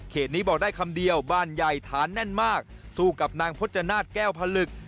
นี้บอกได้คำเดียวบ้านใหญ่ฐานแน่นมากสู้กับนางพจนาฏแก้วผลึก